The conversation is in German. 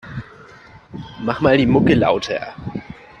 Mach mal die Mucke lauter.